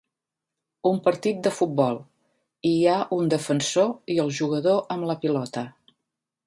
un partit de futbol i hi ha un defensor i el jugador amb la pilota